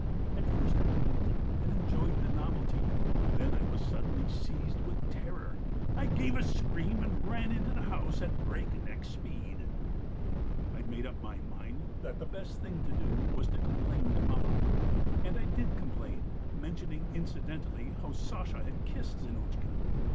At first I liked it, and enjoyed the novelty. Then I was suddenly seized with terror, I gave a scream, and ran into the house at breakneck speed. "I made up my mind that the best thing to do was to complain to maman. And I did complain, mentioning incidentally how Sasha had kissed Zinotchka.